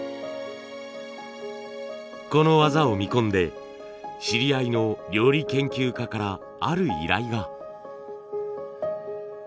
この技を見込んで知り合いの料理研究家からある依頼が。